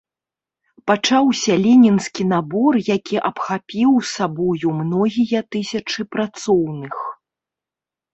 Пачаўся ленінскі набор, які абхапіў сабою многія тысячы працоўных.